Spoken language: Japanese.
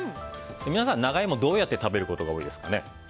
皆さん長イモ、どうやって食べることが多いですか？